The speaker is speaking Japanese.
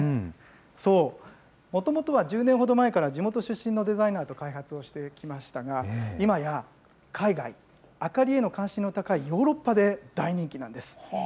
そう、もともとは１０年ほど前から、地元出身のデザイナーと開発をしてきましたが、今や海外、明かりへの関心の高いヨーロッパで大人気なんです。